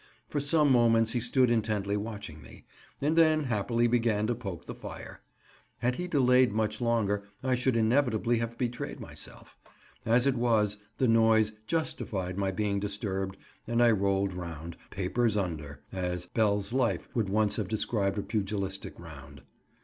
For some moments he stood intently watching me, and then happily began to poke the fire. Had he delayed much longer I should inevitably have betrayed myself; as it was, the noise "justified" my being disturbed, and I rolled round, "papers under," as Bell's Life would once have described a pugilistic round.